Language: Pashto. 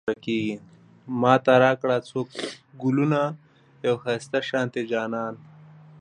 ماته راکړه څو ګلونه، يو ښايسته شانتی جانان